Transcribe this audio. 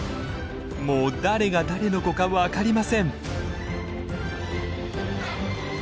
もう誰が誰の子か分かりません。